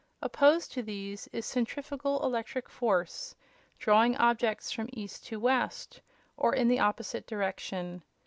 Opposed to these is centrifugal electric force, drawing objects from east to west, or in the opposite direction.